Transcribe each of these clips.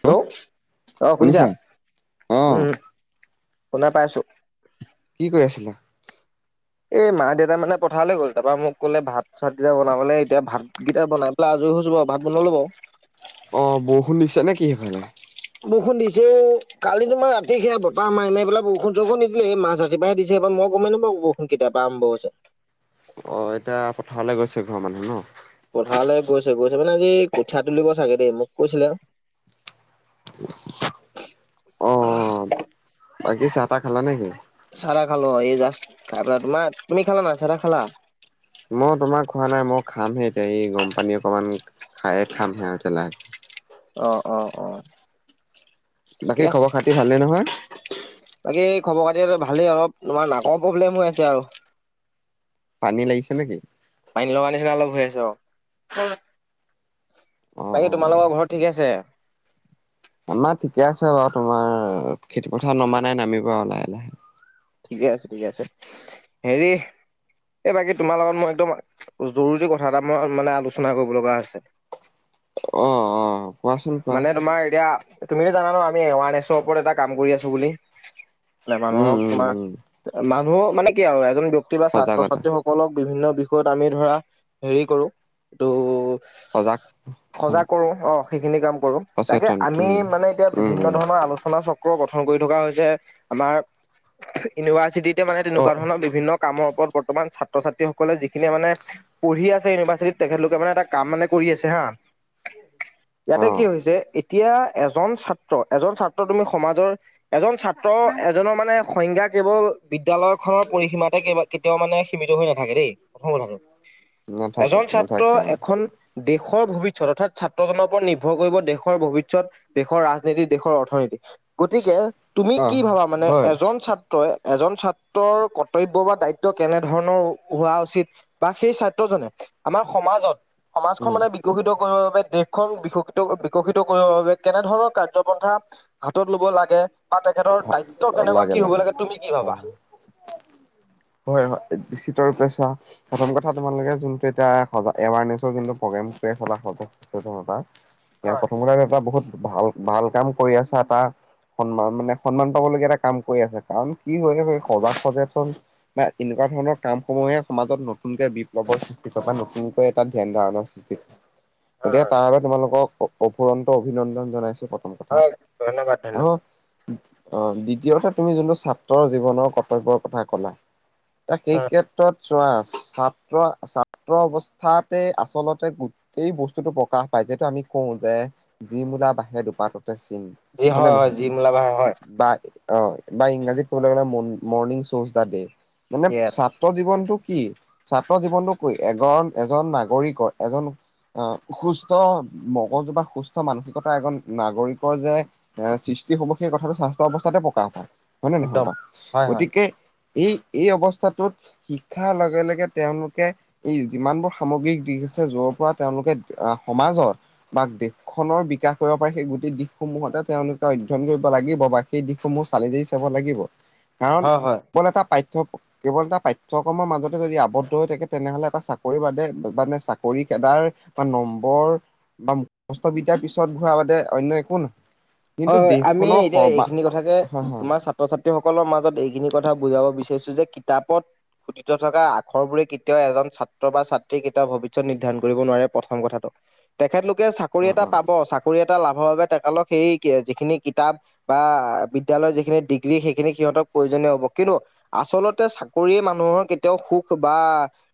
Hello! অ', শুনিছা! উম, অঁ উম, শুনা পাইছোঁ। কি কৰি আছিলা? এই মা দেউতা মানে পথাৰলৈ গ'ল তাৰপা মোক ক'লে ভাত চাত কিটা বনাবে, এতিয়া ভাত কিটা বনাই পেলাই আজৰি হৈছোঁ বাৰু, ভাত বনালোঁ বাৰু। অ', বৰষুণ দিছে নেকি সেইফালে? বৰষুণ দিছে, কালি তোমাৰ ৰাতি সেয়া বতাহ মাৰি, মাৰি পেলাই বৰষুণ চৰষুণ নিদিলে মাজ ৰা [unintelligible] দিছে এইবাৰ মই গমে নাপাওঁ বৰষুণ কেতিয়াপা আৰম্ভ হৈছে! অ', এতিয়া পথাৰলে গৈছে ঘৰৰ মানুহ ন! পথাৰলে গৈছে, গৈছে মানে আজি কঠীয়া তুলিব চাগে দেই মোক কৈছিলে। অ [inaudible] বাকী চাহ তাহ খালা নেকি? চাহ তাহ খালোঁ অ', এই জাষ্ট খাই পেলাই তোমাৰ তুমি খালা নাই চাহ তাহ খালা? মই তোমাৰ খোৱা নাই, মই খামহে এতিয়া এই গৰম পানী অকমান খায়ে খামহে আৰু এতিয়া লাহে অ', অ', অ'। ঠিকে বাকী আছে। খবৰ খাতি ভালেই নহয়? বাকী খবৰ খাতি অলপ ভালেই আৰু তোমাৰ নাকৰ প্ৰব্লেম হৈ আছে আৰু। পানী লাগিছে নেকি? পানীলগা নিচিনা অলপ হৈ আছে অ'। অ বাকী তোমালোকৰ ঘৰত ঠিকেই আছে? আমাৰ ঠিকে আছে বাৰু তোমাৰ খেতিপথাৰত নমা নাই নামিব আৰু লাহে, লাহে। ঠিকে আছে, ঠিকে আছে হেৰি এই বাকী তোমাৰ লগত মই একদম জৰুৰী কথা এটা মই মানে আলোচনা কৰিব লগা আছে। অ', অ'। কোৱাচোন কোৱা মানে তোমাৰ এতিয়া তুমিতো জানা ন আমি এৱাৰনেছৰ ওপৰত এটা কাম কৰি আছোঁ বুলি। উম মানুহক উম তোমাৰ উম মানুহ মানে কি আৰু এজন ব্যক্তি বা ছাত্ৰ সজাগতা ছাত্ৰী হওঁক সকলক বিভিন্ন বিষয়ত আমি ধৰা হেৰি কৰোঁ ত' সজাগ সজাগ কৰোঁ অ', সেইখিনি কাম কৰোঁ। তাকে সচেতন আমি উম মানে এতিয়া উম বিভিন্ন উম ধৰণৰ আলোচনা চক ক্ৰ গঠন কৰি থকা হৈছে, আমাৰ ইউনিভাৰ্চিটিতে মানে অ তেনেকুৱা ধৰণৰ বিভিন্ন কামৰ ওপৰত বৰ্তমান ছাত্ৰ ছাত্ৰীসকলে যিখিনিয়ে মানে পঢ়ি আছে ইউনিভাৰ্চিটিত তেখেতলোকে মানে এটা কাম মানে কৰি আছে হা' [inaudible] ইয়াতে কি হৈছে এতিয়া এজন ছাত্ৰ এজন ছাত্ৰ তুমি সমাজৰ এজন ছাত্ৰ এজনৰ মানে সংজ্ঞা কেৱল বিদ্যয়ালয় খনৰ পৰিসীমাতে কেৱল কেতিয়াও মানে সীমিত হৈ নাথাকে দেই প্ৰথম কথাটো নাথাকে এজন ছাত্ৰ নাথাকে অ এখন দেশৰ ভৱিষ্যত অৰ্থাৎ ছাত্ৰজনৰ ওপৰত নি নিৰ্ভৰ কৰিব দেশৰ ভৱিষ্যত দেশৰ ৰাজনীতি দেশৰ অৰ্থনীতি গতিকে তুমি অ কি ভাবা মানে হয় এজন ছা টো এজন ছাত্ৰৰ কৰ্তব্য বা দায়িত্ব কেনে ধৰণৰ হোৱা উচিত বা সেই ছাত্ৰজনে আমাৰ সমাজত সমাজখন উম মানে বিকশিত কৰিবৰ বাবে দেশখন বিকশিত বিকশিত কৰিবৰ বাবে কেনেধৰণৰ কাৰ্যপন্থা হাতত লব লাগে বা তেখেতৰ দায়িত্ব কেনেকুৱা কি হ'ব লাগে তুমি কি ভাবা। হয় হয়, হয় সিটোৰ পিছত চা প্ৰথম কথা তোমালোকে যোনটো এতিয়া স এৱাৰনেচৰ যোনটো প্ৰ'গ্ৰাম চলা সজা সেইটো কথা এ হয় প্ৰথমতে এটা বহুত ভাল ভাল কাম কৰি আছা এটা সন্মান মানে সন্মান পাবলগীয়া এটা কাম কৰি আছে কাৰণ কি কৰি সজাগ সজাগ চোন বা এনেকুৱা ধৰণৰ কাম সমূহে সমাজত নতুনকে বিপ্লৱৰ সৃষ্টি কৰে বা নতুনকৈ এটা ধ্যান ধাৰণা গতিকে হয় তাৰ বাবে তোমালোকক অফুৰন্ত অভিনন্দন জনাইছোঁ। হয় ধন্যবাদ, ধন্যবাদ। অ', দ্বিতীয় কথা তুমি যেনিবা ছাত্ৰৰ জীৱনৰ কৰ্তব্যৰ কথা কলা এ সেই উম, ক্ষেত্ৰত চোৱা ছাত্ৰ ছাত্ৰ অৱস্থাতে আচলতে এই বস্তুতটো প্ৰকাশ পায় যিহেতু আমি কওঁ যে যি মূলা বঢ়াহে দুপাত ততে চিন যি নে হয়, হয় নহয় যি মূলা বাঢ়ে হয়। বা অ', বা ইংৰাজীত ক'বলৈ গলে মৰ্ণিং শ্বজ দা দে মানে য়েছ ছাত্ৰ জীৱনটো কি ছাত্ৰ জীৱনতটো ক এজন এজন নাগৰিকৰ এজন আহ সুস্থ মগজু বা সুস্থ মানসিকতা এজন নাগৰিকৰ যে এ সৃষ্টি হ'ব সেই কথাটো স্বাস্থ্যৰ অৱস্থাতে প্ৰকাশ হয় নে নহয় একদম বাৰু হয় হয় গতিকে এই এই অৱস্থাটোত শিক্ষাৰ লগে, লগে তেওঁলোকে ই যিমানবোৰ সামগ্ৰিক দিশ আছে যৰ পৰা তেওঁলোকে আহ সমাজৰ বা দেশখনৰ বিকাশ কৰিব পাৰে সেই গোটেই দিশসমূহতে তেওঁলোকে অধ্যয়ন কৰিব। লাগিব সেই দিশসমূহ চালি যাৰি চাব লাগিব কাৰণ হয় হয় কন এটা পাঠ্য কেৱল এটা পাঠ্যক্ৰমৰ মাজতে যদি আৱদ্ধ হৈ থাকে তেনেহলে এটা চাকৰি বাদে মানে চাকৰিখেদাৰ বা নম্বৰ বা বস্তবিদাৰ পিছত ঘূৰা বাদে অন্য একো নহয়। কিন্তু হয় হয় দি আমি এতিয়া এইখিনি কথাকে তোমাৰ ছাত্ৰ ছাত্ৰীসকলৰ মাজত এইখিনি কথা বুজাব বিচাৰিছোঁ যে কিতাপত খুটিত থকা আখৰবোৰে কেতিয়াও এজন ছাত্ৰ বা ছাত্ৰী কেতিয়াও ভৱিষ্যত নিৰ্ধাৰণ কৰিব নোৱাৰে প্ৰথম কথাটো তেখেতলোকে চাকৰি এটা হয় পাব চাকৰি এটা লাভৰ বাবে তেখেতলক সেই যিখিনি কিতাপ বা বিদ্যালয়ৰ যিখিনি ডিগ্ৰী সেইখিনি সিহঁতক প্ৰয়োজনীয় হ'ব কিন্তু আচলতে চাকৰিয়ে মানুহৰ কেতিয়াও সুখ বা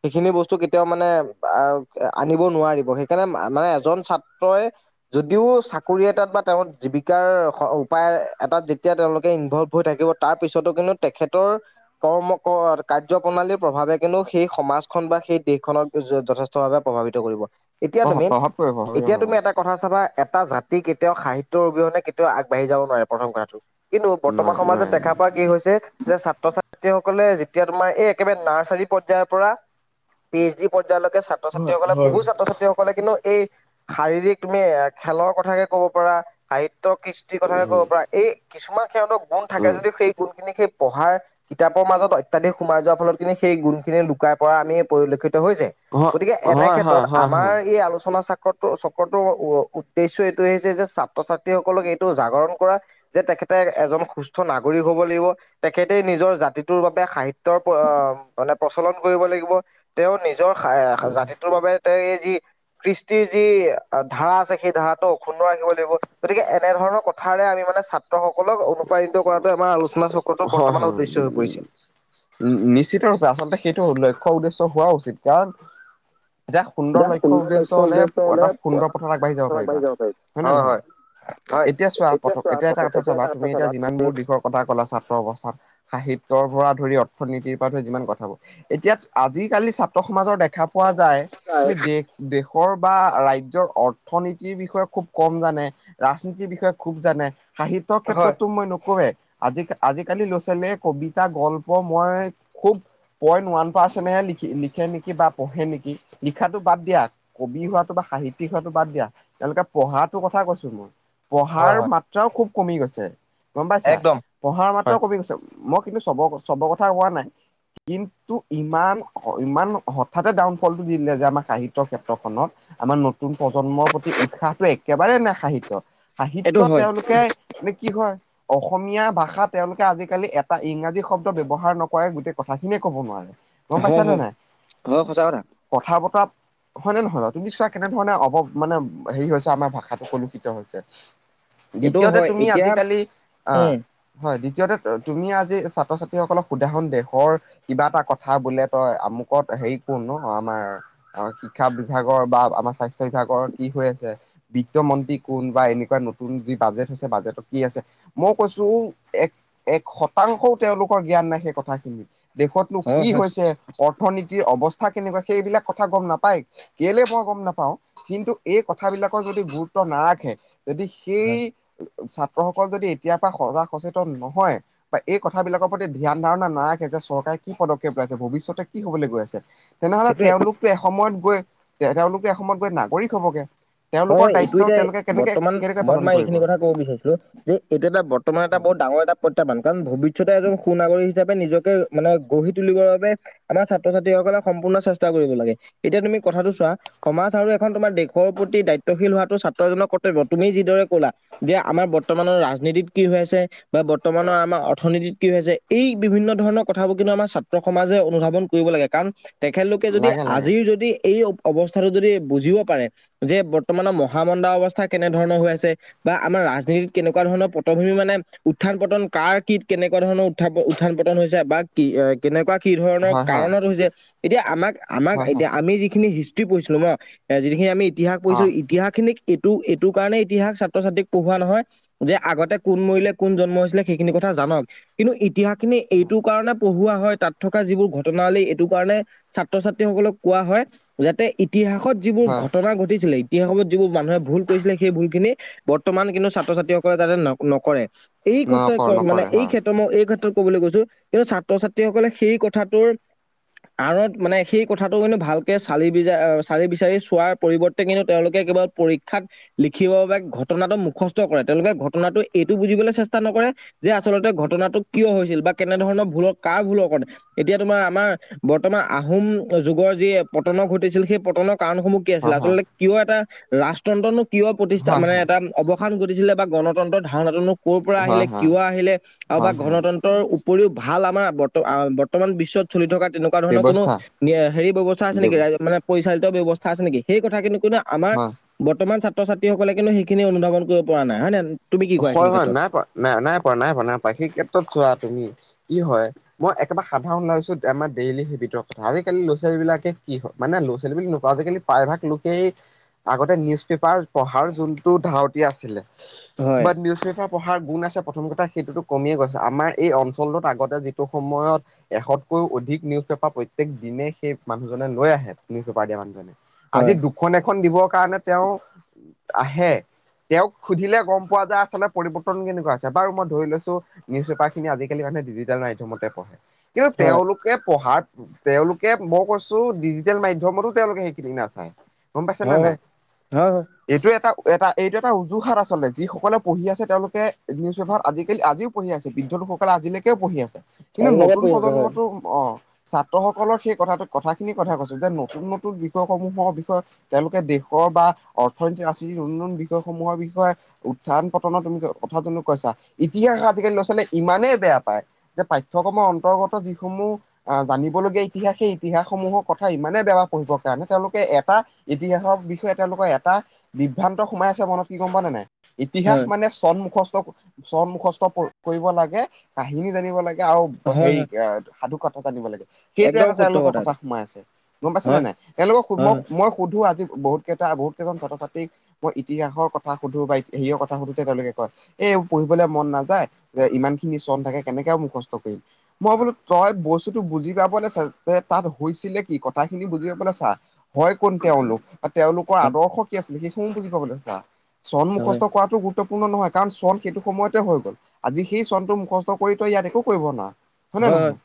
সেইখিনি বস্তু কেতিয়াও মানে আহ আনিব নোৱাৰিব সেইকাৰণে মানে এজন ছাত্ৰই যদিও চাকৰি এটাত বা তেওঁ জীৱিকাৰ উপায় এটাত যেতিয়া তেওঁলোকে ইনভলভ হৈ থাকিব তাৰ পিছতো কিন্তু তেখেতৰ কৰ্ম কাৰ্য প্ৰণালীৰ প্ৰভাৱে কিন্তু সেই সমাজখন বা সেই দেশখনত যথেষ্ট ভাবে প্ৰভাৱিত কৰিব এতিয়া অ অ তুমি প্ৰভাৱ প্ৰভাৱ পৰিব এতিয়া তুমি এটা কথা চাবা এটা জাতি কেতিয়াও সাহিত্যৰ অবিহনে কেতিয়াও আগবাঢ়ি যাব নোৱাৰে প্ৰথম কথাটো কিন্তু বৰ্তমান নোৱাৰে সমাজত নোৱাৰে দেখা পোৱা কি হৈছে যে ছাত্ৰ ছাত্ৰী সকলে যেতিয়া তোমাৰ এই একেবাৰে নাৰ্চাৰী পৰ্যয়ায়ৰ পৰা পি এইচ ডি পৰ্যায়লৈকে ছাত্ৰ হয় ছাত্ৰীসকলে বহু হয় ছাত্ৰ ছাত্ৰীসকলে কিন্তু এই শাৰীৰিক তুমি এ খেলৰ কথাকে কব পাৰা সাহিত্যৰ কৃষ্টিৰ কথাকে ক'ব উম পাৰা এই কিছুমান সিহঁতক গুণ থাকে উম যদি সেই গুণখিনি সেই পঢ়াৰ কিতাপৰ মাজত অত্যাধিক সোমাই যোৱাৰ ফলত কিন্তি সেই গুণ খিনি লুকাই পৰা আমি পৰিলক্ষিত হৈ যায়। গতিকে এনে হয় হয় ক্ষেত্ৰত হয় হয় আমাৰ এই আলোচনা চাক চক্ৰ চক্ৰটোৰ উ উদ্দেশ্য এইটোয়ে হৈছে যে ছাত্ৰ ছাত্ৰী সকলক এইটো জাগৰণ কৰা। যে তেখেতে এজন সুস্থ নাগৰিক হব লাগিব, তেখেতে নিজৰ জাতিটোৰ বাবে সাহিত তৰ পৰা মানে প্ৰচলন কৰিব লাগিব।, তেওঁ নিজৰ জাতিটোৰ বাবে এই যি কৃষ্টিৰ যি ধাৰা আছে সেই ধাৰাটো অক্ষুন্ন ৰাখিব লাগিব। গতিকে এনেধৰণৰ কথাৰে আমি মানে সকলক অনুপ্ৰাণিত কৰাটো আমাৰ আলোচনা চক্ৰটোৰ হয় হয় বৰ্তমানৰ উদ্দেশ্য হৈ হয় পৰিছে। নিশ্চিত ৰূপে আচলতে সেইটো লক্ষ্য উদ্দেশ্য হোৱা উচিত কাৰণ যে সুন্দৰ লক্ষ্য উদ্দেশ্য হলে হে, এটা সুন্দৰ পথত আগবাঢ়ি যাব পাৰিবা হয় নে নহয়? এতিয়া চোৱা প্ৰ, এতিয়া এটা কথা চাবা তুমি এতিয়া যিমানবোৰ দিশৰ কথা ক'লা ছাত্ৰ অৱস্থাত সাহিত্যৰ পৰা ধৰি অৰ্থনীতিৰ পৰা ধৰি যিমান কথা এতিয়া আজিকালি ছাত্ৰ সমাজৰ দেখা পোৱা যায় হয় তুমি দেশ দেশৰ বা ৰাজ্যৰ অৰ্থনীতিৰ বিষয়ে খুব কম জানে ৰাজনীতিৰ বিষয়ে খুব জানে সাহিত্যৰ হয় ক্ষেত্ৰতো মই নকৱেই আজি আজিকালি ল'ৰা ছোৱালীয়ে কবিতা গল্প, মই খুব পইণ্ট ওৱান পাৰ্চেন্টহে লখি লিখে নেকি বা পঢ়ে নেকি লিখাটো বাদ দিয়া কবি হোৱাটো বা সাহিত্যিক হোৱাটো বাদ দিয়া তেওঁলোকে পঢ়াটোৰ কথা কৈছো মই। পঢ়াৰ হয় মাত্ৰাও খুব কমি গৈছে গম পাইছা? একদম পঢ়াৰ হয়। মাত্ৰ কমি গৈছে, মই কিন্তু চব চবৰ কথা কোৱা নাই। কিন্তু ইমান ইমান হঠাতে ডাউনফলটো দিলে যে আমাৰ সাহিত্যৰ ক্ষেত্ৰখনত আমাৰ নতুন প্ৰজন্মৰ প্ৰতি উৎসাহটো একেবাৰে নাই সাহিত্য সাহিত্য এইটো হয় তেওঁলোকে মানে কি হয় অসমীয়া ভাষা তেওঁলোকে আজিকালি এটা ইংৰাজী শব্দ ব্যৱহাৰ নকৰা কে গোটেই কথা খিনিয়ে কব নোৱাৰে। গম পাইছ হয় নে হয় নাই? হয় সঁচা কথা বতৰা হয় নে নহয় বাৰু, তুমি চোৱা কেনেধৰণে অব মানে হেৰি হৈছে আমাৰ ভাষাটো কলুষিত হৈছে। এইটো দ্বিতীয়তে হয় তুমি এতিয়া আজিকালি আ, উম হয় দ্বিতীয়তে তুমি আজি ছাত্ৰ ছাত্ৰীসকলক উদাহৰণ দেশৰ কিবা এটা কথা বোলে তই আমুকত হেৰি কোন আমাৰ শিক্ষা বিভাগৰ বা আমাৰ স্বাস্থ্য বিভাগৰ কি হৈ আছে? বিত্তমন্ত্ৰী কোন বা এনেকুৱা নতুন যি বাজেট হৈছে বাজেটত কি আছে মই কৈছো এক এক শতাংশও তেওঁলোকৰ জ্ঞান নাই সেই কথাখিনি দেশতনো হয় কি হয় হৈছে অৰ্থনীতিৰ অৱস্থা কেনেকুৱা সেইবিলাক কথা গম নাপায়। কেলে মই গম নাপাও, কিন্তু এই কথাবিলাকৰ যদি গুৰুত্ব নাৰাখে যদি সেই হয় ছাত্ৰসকল যদি এতিয়াৰ পৰা সজাগ সচেতন নহয়। বা এই কথাবিলাকৰ প্ৰতি ধ্যান ধাৰণা নাৰাখে যে চৰকাৰে কি পদক্ষেপ লৈছে ভৱিষ্যতে কি হবলৈ গৈ আছে? তেনেহলে সেইটোৱে তেওঁলোকে এসময়ত গৈ তেওঁলোকে এসময়ত গৈ নাগৰিক হবগে। তেওঁলোকৰ হয়, এইটো দায়িত্ব এতিয়া তেওঁলোকে কেনেকে বৰ্তমান কেনেকে মই পালন তোমাক কৰিব এইখিনি কথা কব বিচাৰিছিলোঁ যে এইটো এটা বৰ্তমান এটা বৰ ডাঙৰ এটা প্ৰতিয়াহবান কাৰণ ভৱিষ্যতে এজন সু নাগৰিক হিচাপে নিজকে মানে গঢ়ি তুলিবৰ বাবে আমাৰ ছাত্ৰ ছাত্ৰীসকলে সম্পূৰ্ণ চেষ্টা কৰিব লাগে, এতিয়া তুমি কথাটো চোৱা সমাজ আৰু এখন তোমাৰ দেশৰ প্ৰতি দায়িত্বশীল হোৱাটো ছাত্ৰজনৰ কৰ্তব্য তুমি যিদৰে কলা। যে আমাৰ বৰ্তমানৰ ৰাজনীতিত কি হৈ আছে, বা বৰ্তমানৰ আমাৰ অৰ্থনীতিত কি হৈ আছে এই বিভিন্ন ধৰণৰ কথাবোৰ কিন্তু আমাৰ ছাত্ৰ সমাজে অনুধাৱন কৰিব লাগে কাৰণ তেখেতলোকে যদি লাগে লাগে আজিৰ যদি এই অৱস্থাটো যদি বুজিব পাৰে যে বৰ্তমানৰ মহামন্দা অৱস্থা কেনেধৰণৰ হৈ আছে। বা আমাৰ ৰাজনীতিত কেনেকুৱা ধৰণৰ পটভূমি মানে উত্থান পতন কাৰ কি কেনেকুৱা ধৰণৰ উ, উত্থান হৈছে বা কি এ কেনেকুৱা কি ধৰণৰ হয় হয় কাৰণত হৈছে এতিয়া আমাক আমাক হয় হয় এতিয়া আমি যিখিনি পঢ়িছিলো ন' যিখিনি আমি ইতিহাস অ পঢ়িছিলোঁ ইতিহাস খিনিক এইটো এইটো কাৰণে ইতিহাস ছাত্ৰ ছাত্ৰীক পঢ়োৱা নহয় যে আগতে কোন মৰিলে কোন জন্ম হৈছিলে সেইখিনি কথা জানক কিন্তু, ইতিহাসখিনি এইটোৰ কাৰণে পঢ়োৱা হয় তাত থকা যিবোৰ ঘটনালী এইটো কাৰণে ছাত্ৰ ছাত্ৰীসকলক কোৱা হয়, যাতে ইতিহাসত যিবোৰ হয় ঘটনা ঘটিছিলে, ইতিহাসত যিবোৰ মানুহে ভুল কৰিছিলে সেই ভুল খিনি বৰ্তমান কিন্তু ছাত্ৰ ছাত্ৰীসকলে তাৰে ন নকৰে এই নক ক্ষেত্ৰত মানে, নকৰে এই হয় ক্ষেত্ৰ মই এই ক্ষেত্ৰত কবলৈ গৈছো কিন্তু ছাত্ৰ ছাত্ৰীসকলে সেই কথাটোৰ আঁৰত মানে সেই কথাটো কিন্তু, ভালকে চালি বিচা চালি বিচাৰি চোৱাৰ পৰিৱৰ্তে কিন্তু তেওঁলোকে কিবা পৰীক্ষাত লিখিবৰ বাবে ঘটনাটো মুখস্থ কৰে, তেওঁলোকে ঘটনাটো এইটো বুজিবলৈ চেষ্টা নকৰে যে আচলতে ঘটনাটো কিয় হৈছিল, বা কেনে ধৰণৰ ভুলৰ কাৰ ভুলৰ কাৰণে এতিয়া তোমাৰ আমাৰ বৰ্তমান আহোম যুগৰ যি পতন ঘটিছিল সেই পতনৰ কাৰণসমূহ আছিলে হয় হয় আচলতে কিয় এটা ৰাজতন্ত্ৰনো কিয় প্ৰতিষ্ঠা হয় মানে এটা অৱ সান ঘটিছিলে বা গণতন্ত্ৰৰ ধাৰণাটোনো কৰ'ৰ পৰা আহিলে হয় হয় কিয় হয় আহিলে আৰু বা হয় গণতন্ত্ৰ উপৰিও ভাল আমাৰ বৰ্তমান বিশ্বত চলি থকা তেনেকুৱা তেনেুৱা ধৰণৰ কোনো ব্যৱস্থা হেৰি ব্যৱস্থা আছে নেকি, ব্যৱ মানে পৰিচালিত ব্যৱস্থা আছে নেকি সেই কথা কিন্তু কোনো আমাৰ হয় বৰ্তমান ছাত্ৰ ছাত্ৰীসকলে কিন্তু সেইখিনি অনুধাৱন কৰিব পৰা নাই হয় নে তুমি কি কোৱা হয়, এইখিনি হয়, ক্ষেত্ৰত? নাই পোৱা, নাই, নাই, পোৱা নাই পোৱা নাই পোৱা, সেই ক্ষেত্ৰত চোৱা তুমি কি হয় মই একেবাৰে সাধাৰণ লাইছো আমাৰ ডেইলি সেইবিধৰ কথা আজিকালি ল'ৰাোৱালীলাকে কি হয় মানে ল' ছোৱালী বুলি নওঁ আজিকালি প্ৰায়ভাগ লোকেই আগতে নিউজ পেপাৰ পঢ়াৰ যোনটো ধাউতি আছিলে হয় বাত নিউজ পেপাৰ পঢ়াৰ গুণ আছে প্ৰথম কথা সেইটোতো, কমিয়ে গৈছে আমাৰ এই অঞ্চলটোত আগতে যিটো সময়ত এশতকৈও অধিক নিউজ পেপাৰ প্ৰত্যেক দিনে সেই মানুহজনে লৈ আহে নিজ পেপাৰ দিয়া মানুহজনে আজি হয় দুখন এখন দিবৰ কাৰণে তেওঁ আহে তেওঁক সুধিলে গম পোৱা যায় আচলতে পৰিবৱৰ্তন কেনেকুৱা আছে বাৰু মই ধৰি লৈছো নিউজ পেপাৰ খিনি আজিকালি মানুহে ডিজিটেল মাধ্যমতে পঢ়ে, কিন্তু হয় তেওঁলোকে পঢ়াত তেওঁলোকে মই কৈছো ডিজিটেল মাধ্যমতো তেওঁলোকে সেইখিনি নাচায় গম পাইছে নে হয় নাই, হয় হয় হয় এইটো এটা এটা এইটো এটা উজুহাত আচলতে যি যি সকলে পঢ়ি আছে, তেওঁলোকে নিউজ পেপাৰ আজিকালি আজিও পঢ়ি আছে বৃদ্ধসকলে আজিলৈকেও পঢ়ি আছে কিন্তু আজিলৈকে নতুন পৰি আছো হয়। প্ৰজন্মটো অ', ছাত্ৰ সকলৰ সেই কথাটো কথাখিনি কথা কৈছো, যে নতুন নতুন বিষয়সমূহৰ বিষয় তেওঁলোকে দেশৰ বা অৰ্থনীতি, ৰাজনীতিৰ, উন্নন বিষয়সমূহৰ বিষয়ে উত্থান পতনৰত তুমি কথা [unintelligible] কৈছা ইতিহাস আজিকালি লৰা ছোৱালী ইমানেই বেয়া পায় যে পাঠ্যক্ৰমৰ অন্তৰ্গত যিসমূহ আহ জানিবলগীয়া ইতিহাসে ইতিহাসসমূহৰ কথা ইমানেই বেয়া পঢ়িবৰ কাৰণে তেওঁলোকে এটা ইতিহাসৰ বিষয়ে তেওঁলোকৰ এটা বিভ্ৰান্ত সোমাই আছে মনত কি গম প নে নাই ইতিহাস হয় মানে চন মুখস্থ চন মুখস্থ কৰিব লাগে কাহিনী জানিব লাগে আৰু হয় হেৰি হয় সাধু কথা জানিব লাগে সেইটোৱে একদম এটা সত্য তেওঁলোকৰ কথা এইটো সোমাই আছে গম পাইছে নে হয় নাই তেওঁলোকক মই হয় মই সুধো আজি বহুত কেইটা বহুত কেইজন ছাত্ৰ ছাত্ৰীক মই ইতিহাসৰ কথা সুধো বা হেৰিৰ কথা সুধোতে তেওঁলোকে কয় এই পঢ়িবলৈ মন নাযায় যে ইমান খিনি চন থাকে কেনেকে মুখস্থ কৰিম। মই বোলো তই বস্তুতটো বুজি পাব [unintelligible] তাত হৈছিলে কি কথাখিনি বুজি পাবলে ছা হয় কোন তেওঁলোক বা তেওঁলোকৰ হয় আদৰ্শ কি আছিলে সেইসমূহ বুজি পাবলৈছা চণমুখস্থ হয় হয় কৰাটো গুৰুত্বপূৰ্ণ নহয় কাৰণ চন সেইটো সময়তে হৈ গ'ল। আজি সেই চনটো মুখস্থ কৰি তই ইয়াত একো কৰিব না হয় নে নহয়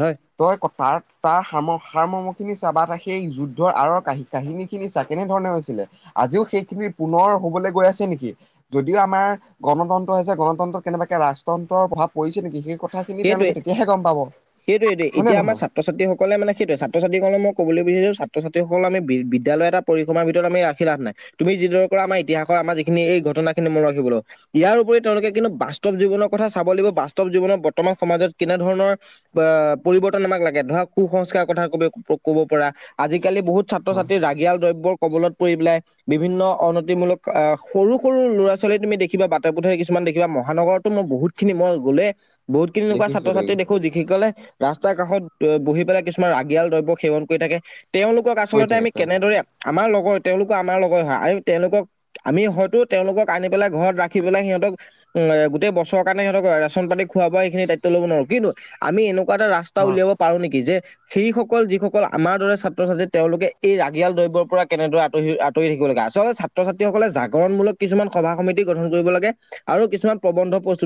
হয় তই তাৰ তাৰ সা-সাৰমৰ্মখিনি চা সেই যুদ্ধৰ আৰৰ কা-কাহিনী খিনি চা কেনেধৰণে হৈছিলে আজিও সেইখিনি পুনৰ হবলৈ গৈ আছে নেকি। যদিও আমাৰ গণতন্ত্ৰ হৈছে গণতন্ত্ৰত কেনেবাকে ৰাজতন্ত্ৰৰ প্ৰভাৱ পৰিছে নেকি সেই কথা খিনি সেইটোৱে তেওঁলোকে তেতিয়াহে গম পাব সেইটোৱেটো এতিয়া হয়নে আমাৰ নহয় ছাত্ৰ- ছাত্ৰীসকলে মানে সেইটোৱে ছাত -ছাত্ৰীসকলক মই কবলৈ বিচাৰছোঁ ছাত-ছাত্ৰীসকল আমি বিদ্যালয় এটাত পৰিক্ৰমাৰ ভিতৰত আমি ৰাখি লাভ নাই তুমি যিদৰে [unintelligible] আম ইতিহাসৰ আমি যিখিনি এই ঘটনা খিনি মন ৰাখিবলৈ ইয়াৰ উপৰি তেওঁলোকে কিন্তু বাস্তৱ জীৱনৰ কথা চাব লাগিব বাস্তৱ জীৱনৰ বৰ্তমান সমাজত কেনেধৰণৰ বা পৰিৱৰ্তন আমাক লাগে ধৰক কুসংস্কাৰৰ কথা ক'ব ক'ব পৰা। আজিকালি বহুত হয় ছাত্ৰ-ছাত্ৰীৰ হয় ৰাগিয়াল দ্ৰব্যৰ কবলত পৰি পেলাই। বিভিন্ন অনতিমূলক আহ সৰু সৰু ল'ৰা-ছোৱালী তুমি দেখিবা বাটে-পথে কিছুমান দেখিবা মহানগৰতো মই বহুত [unintelligible] মই গলে বহুতখিনি এনেকুৱা দেখিছো ছাত্ৰ-ছাত্ৰী দেখিছো দেখো যি সি ক'লে ৰাস্তাৰ কাষত বহি পেলাই কিছুমান ৰাগিয়াল দ্ৰব্য সেৱন কৰি থাকে। তেওঁলোকক কৈ আচলতে থাকে আমি কৈ থাকে কেনেদৰে আমাৰ লগৰ তেওঁলোকো আমাৰ লগৰ হয় আমি তেওঁলোকক। আমি হয়তো তেওঁলোকক আনি পেলাই ঘৰত ৰাখি পেলাই সিহঁতক - উ, গোটেই বছৰ কাৰণে সিহঁক ৰাচন পাতি। খোৱা-বোৱা এখিনি দায়িত্ব ল'ব নোৱাৰো কিন্তু আমি এনেকুৱা এটা ৰাস্তা হয় উলিয়াব পাৰো নেকি যে। সেই সকল যিসকল আমাৰ দৰে ছাত্ৰ-ছাত্ৰী তেওঁলোকে এই ৰাগিয়াল দ্ৰব্যৰ পৰা কেনেদৰে আতৰি আতৰি থাকিব লাগে আচলতে ছাত্ৰ-ছাত্ৰীসকলে জাগৰণমূলক কিছুমান সভা-সমিতি গঠন কৰিব লাগে। আৰু কিছুমান প্ৰবন্ধ প্ৰস্তু